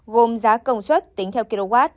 gồm giá công suất tính theo kwh